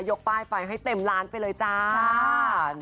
ยกป้ายไฟให้เต็มร้านไปเลยจ้า